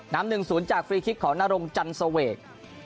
น้ำหนึ่งศูนย์จากฟรีคิกของนารมณ์จันทรวเอก